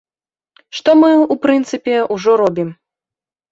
Што мы, у прынцыпе, ужо робім.